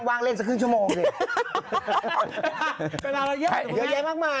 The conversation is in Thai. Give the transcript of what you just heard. วางเล่นสักครึ่งชั่วโมงเฦียยมากมาก